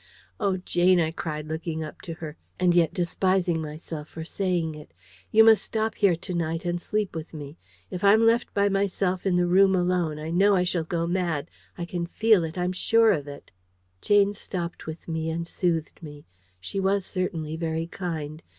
"Oh, Jane;" I cried, looking up to her, and yet despising myself for saying it, "you must stop here to night and sleep with me. If I'm left by myself in the room alone, I know I shall go mad I can feel it I'm sure of it!" Jane stopped with me and soothed me. She was certainly very kind.